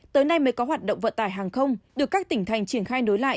tới nay mới có hoạt động vận tải hàng không được các tỉnh thành triển khai nối lại